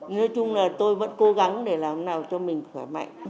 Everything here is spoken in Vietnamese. nói chung là tôi vẫn cố gắng để làm nào cho mình khỏe mạnh